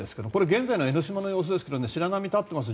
現在の江の島の様子ですけど白波が立っています。